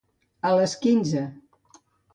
A les quinze.